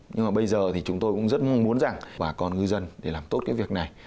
nhưng mà bây giờ thì chúng tôi cũng rất muốn rằng bà con ngư dân để làm tốt cái việc này